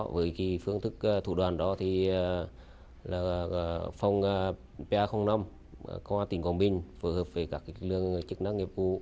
với phương thức thủ đoàn đó thì là phòng pa năm công an tỉnh quảng bình phối hợp với các lương chức năng nghiệp vụ